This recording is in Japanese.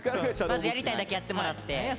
まずやりたいだけやってもらって。